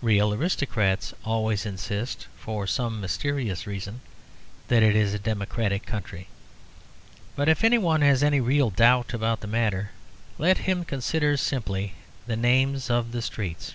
Real aristocrats always insist (for some mysterious reason) that it is a democratic country. But if any one has any real doubt about the matter let him consider simply the names of the streets.